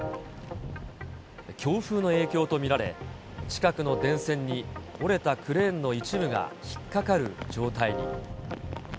強風の影響と見られ、近くの電線に折れたクレーンの一部が引っ掛かる状態に。